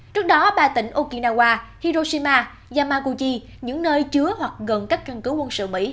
trước đó ba tỉnh okinawa hiroshima yamakuchi những nơi chứa hoặc gần các căn cứ quân sự mỹ